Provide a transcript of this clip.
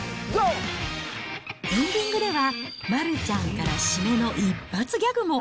エンディングでは、丸ちゃんから締めの一発ギャグも。